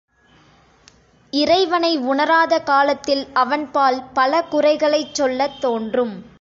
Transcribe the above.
இறைவனை உணராத காலத்தில் அவன்பால் பல குறைகளைச் சொல்லத் தோன்றும்.